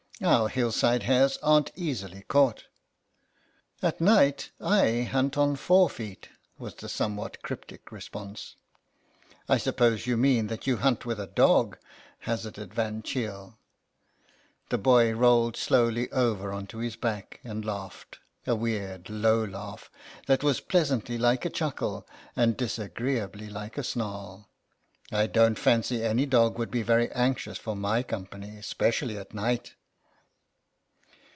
"Our hill side hares aren't easily caught." "At night I hunt on four feet," was the somewhat cryptic response. " I suppose you mean that you hunt with a dog ?" hazarded Van Cheele. The boy rolled slowly over on to his back, and laughed a weird low laugh, that was pleasantly like a chuckle and disagreeably like a snarl. " I don't fancy any dog would be very anxious for my company, especially at night."